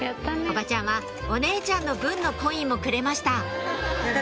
おばちゃんはお姉ちゃんの分のコインもくれました